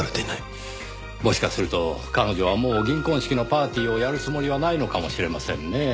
もしかすると彼女はもう銀婚式のパーティーをやるつもりはないのかもしれませんねぇ。